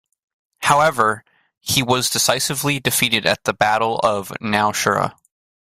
However he was decisively defeated at the Battle of Nowshera.